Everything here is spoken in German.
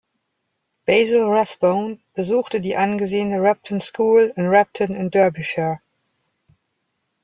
Basil Rathbone besuchte die angesehene Repton School in Repton in Derbyshire.